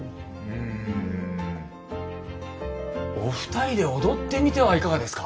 うんお二人で踊ってみてはいかがですか？